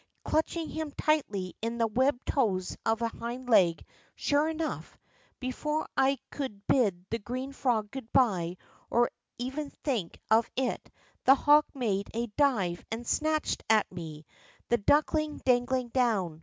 clutching him tightly in the webbed toes of a hind leg. Sure enough ! Before I could bid the green frog good by, or even think of it, the hawk made a dive and snatched at me, the duckling dangling down.